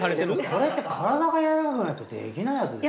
これって体が柔らかくないとできないやつでしょ？